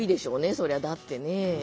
そりゃだってね。